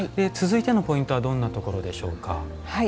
続いてのポイントはどんなところでしょうか？